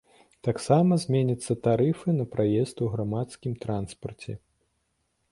Таксама зменяцца тарыфы на праезд у грамадскім транспарце.